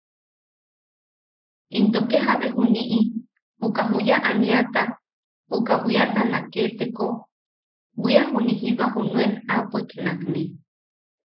Into ke jabe juni’i uka juya aniata, uka bwiata naketeko bwia juni’i jiba junuen aapoik nakne.